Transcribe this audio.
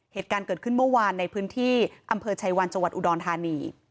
เหตุการณ์เกิดขึ้นเมื่อวานในพื้นที่อำเภอชัยวันจังหวัดอุดรธานี